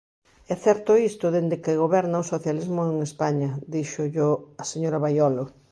É certo isto dende que goberna o socialismo en España, díxollo a señora Baiolo.